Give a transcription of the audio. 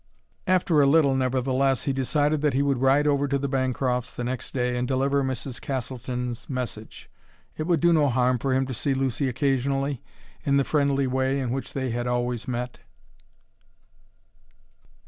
After a little, nevertheless, he decided that he would ride over to the Bancrofts' the next day and deliver Mrs. Castleton's message. It would do no harm for him to see Lucy occasionally, in the friendly way in which they had always met.